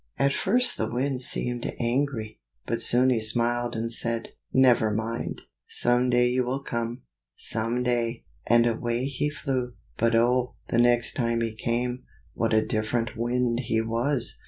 At first the Wind seemed angry, but soon he smiled and said, "Never mind! some day you will come, some day!" and away he flew. But oh! the next time he came, what a different Wind he was!